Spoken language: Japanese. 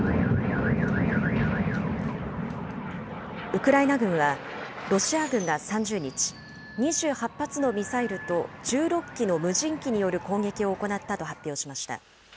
ウクライナ軍は、ロシア軍が３０日、２８発のミサイルと１６機の無人機による攻撃を行ったと発表しました。